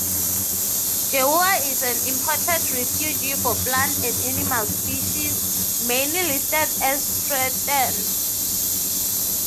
Deua is an important refuge for plant and animal species, many listed as threatened.